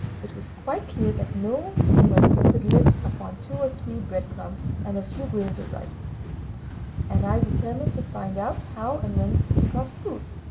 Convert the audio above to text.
It was quite clear that no woman could live upon two or three bread crumbs and a few grains of rice, and I determined to find out how and when she got food.